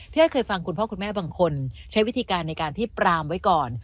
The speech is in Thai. อ้อยเคยฟังคุณพ่อคุณแม่บางคนใช้วิธีการในการที่ปรามไว้ก่อน